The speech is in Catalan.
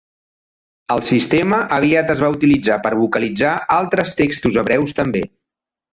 El sistema aviat es va utilitzar per vocalitzar altres textos hebreus també.